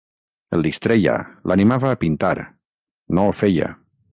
El distreia, l'animava a pintar; no ho feia.